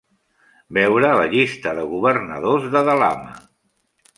Veure la llista de governadors de Dalama.